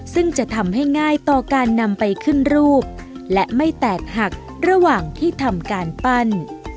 ซึ่งจะทำให้ง่ายต่อการนำไปขึ้นรูปและไม่แตกหักระหว่างที่ทำการปั้น